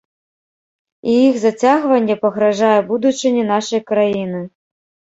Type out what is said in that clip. І іх зацягванне пагражае будучыні нашай краіны.